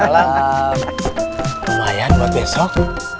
lumayan buat besok